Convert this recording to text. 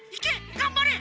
がんばれ！